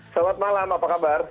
selamat malam apa kabar